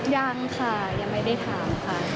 ยังค่ะยังไม่ได้ถามค่ะ